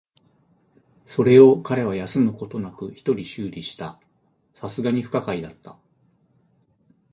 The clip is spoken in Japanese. それを彼は休むことなく一人修理した。流石に不可解だった。